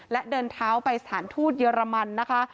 และเดินเท้าไปสถานทูตเยอรมันนะคะ